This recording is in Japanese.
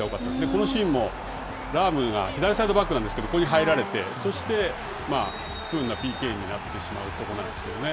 このシーンも、ラウムが左サイドバックなんですけれども、ここに入られて、そして、不運なＰＫになってしまうとこなんですけどね。